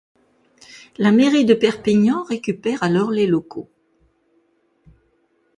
La mairie de Perpignan récupère alors les locaux.